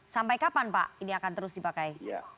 sampai kapan pak ini akan terus dipakai